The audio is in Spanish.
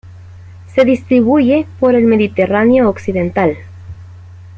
Se distribuye por el Mediterráneo occidental.